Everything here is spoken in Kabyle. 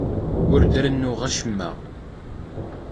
Ur d-rennuɣ acemma.